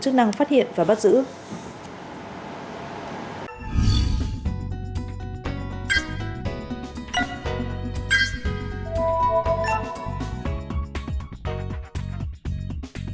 chức năng phát hiện và bắt giữ